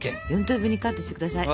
４等分にカットして下さい。